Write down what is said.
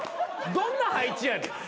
どんな配置やねん。